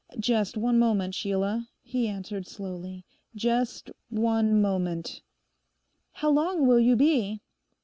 'Just one moment, Sheila,' he answered slowly, 'just one moment.' 'How long will you be?